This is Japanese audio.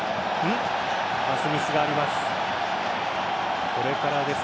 パスミスがあります。